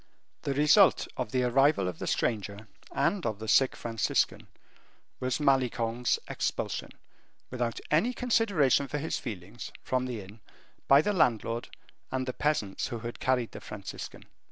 The result of the arrival of the stranger, and of the sick Franciscan, was Malicorne's expulsion, without any consideration for his feelings, from the inn, by the landlord and the peasants who had carried the Franciscan.